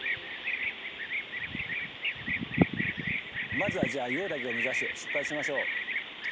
まずはじゃあ硫黄岳を目指して出発しましょう。